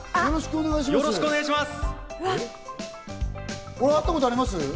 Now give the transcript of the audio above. よろしくお願いします。